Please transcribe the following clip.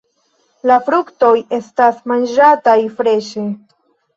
La fruktoj estas manĝataj freŝe.